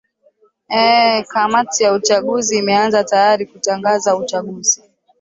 ee kamati ya uchaguzi imeanza tayari kuutangaza uchaguzi